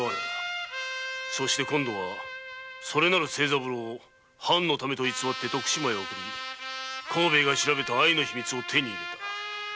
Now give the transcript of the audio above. そして今度はそれなる清三郎を藩のためと偽って徳島へ送り幸兵衛が調べた藍の秘密を手に入れた。